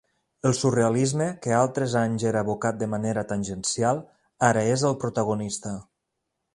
El surrealisme, que altres anys era evocat de manera tangencial, ara és el protagonista.